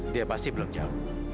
dia pasti belum jauh